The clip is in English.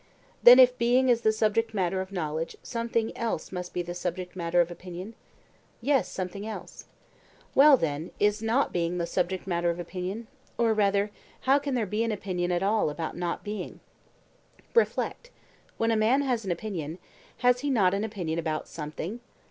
Then if being is the subject matter of knowledge, something else must be the subject matter of opinion? Yes, something else. Well then, is not being the subject matter of opinion? or, rather, how can there be an opinion at all about not being? Reflect: when a man has an opinion, has he not an opinion about something?